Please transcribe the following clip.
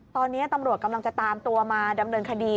ตอนนี้ตำรวจกำลังจะตามตัวมาดำเนินคดี